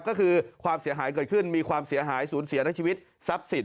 ก็คือความเสียหายเกิดขึ้นมีความเสียหายสูญเสียในชีวิตทรัพย์สิน